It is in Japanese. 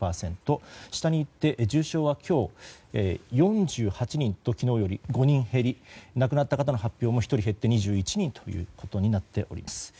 下に行って重症は今日４８人と昨日より５人減り亡くなった方の発表も１人減って２１人となっております。